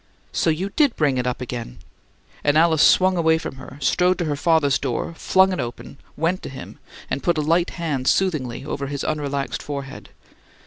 "So you did bring it up again!" And Alice swung away from her, strode to her father's door, flung it open, went to him, and put a light hand soothingly over his unrelaxed forehead.